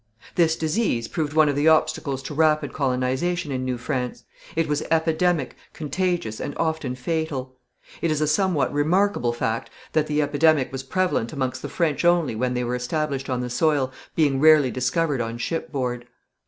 This disease proved one of the obstacles to rapid colonization in New France. It was epidemic, contagious and often fatal. It is a somewhat remarkable fact that the epidemic was prevalent amongst the French only when they were established on the soil, being rarely discovered on ship board.